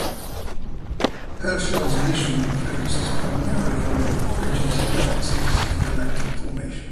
Herschel's mission focuses primarily on the origins of galaxies and galactic formation.